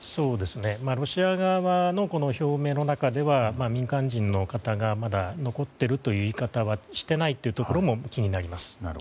ロシア側の表現の中では民間人の方がまだ残っているという言い方をしてないところも気になります。